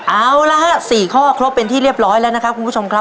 เอาละฮะ๔ข้อครบเป็นที่เรียบร้อยแล้วนะครับคุณผู้ชมครับ